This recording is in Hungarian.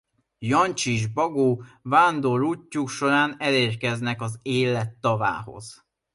Jancsi és Bagó vándorútjuk során elérkeznek az Élet tavához.